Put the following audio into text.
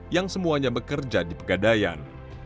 yang semuanya bekerja di pegadaian